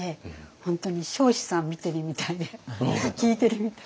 本当に彰子さん見てるみたいで聞いてるみたいで。